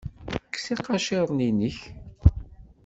Kkes iqaciren-nnek.